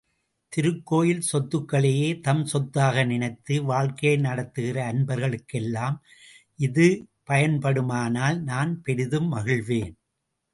திருக்கோயில் சொத்துக்களையே தம் சொத்தாக நினைத்து வாழ்க்கையை நடத்துகிற அன்பர்களுக்கெல்லாம், இது பயன்படுமானால் நான் பெரிதும் மகிழ்வேன்.